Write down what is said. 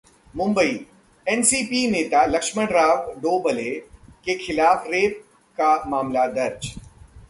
Mumbai: NCP नेता लक्ष्मण राव ढोबले के खिलाफ रेप का मामला दर्ज